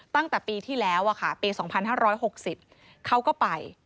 ตั้งแต่ปีที่แล้วปี๒๕๖๐เขาก็ไป